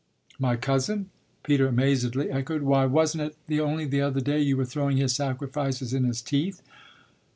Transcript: "My cousin?" Peter amazedly echoed. "Why, wasn't it only the other day you were throwing his sacrifices in his teeth?"